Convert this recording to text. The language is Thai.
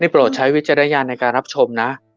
โปรดใช้วิจารณญาณในการรับชมนะ